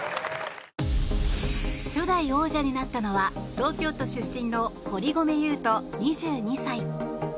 初代王者になったのは東京都出身の堀米雄斗、２２歳。